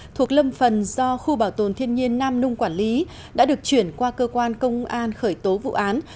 thuộc lâm phần do khu bảo tồn thiên nhiên nam nung quản lý đã được chuyển qua cơ quan công an khởi tố vụ án